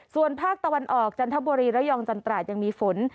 ส่วนภาคตะวันออกจันทบุรีระยองจันตราดยังมีฝน